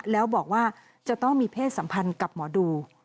แล้วบอกว่าจะต้องมีเพศสัมพันธ์กับหมอดู